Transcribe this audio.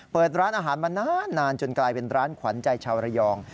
เปิดร้านอาหารมานานจนกลายเป็นร้านขวัญใจชาวระยอง